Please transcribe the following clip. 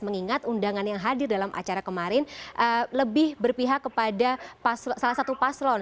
mengingat undangan yang hadir dalam acara kemarin lebih berpihak kepada salah satu paslon